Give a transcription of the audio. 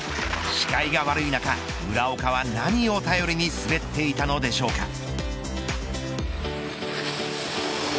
視界が悪い中村岡は何を頼りに滑っていたのでしょうか。